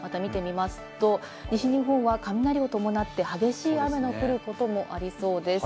今夜以降をまた見てみますと、西日本は雷を伴って激しい雨の降ることもありそうです。